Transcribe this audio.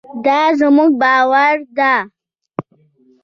دا زموږ باور دی.